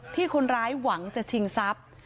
ที่คนร้ายหวังจะชิงทรัพย์